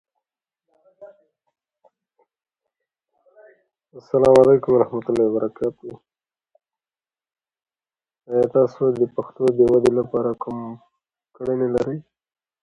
د پوهې وده د ټولنیزې هوساینې لامل کېږي.